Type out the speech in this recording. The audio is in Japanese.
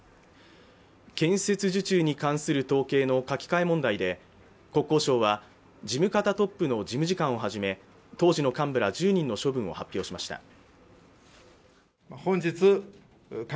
建設受注に関する統計の書き換え問題で国交省は事務方トップの事務次官をはじめ当時の幹部ら１０人の処分を発表しました